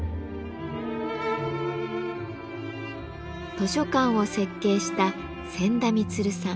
図書館を設計した仙田満さん。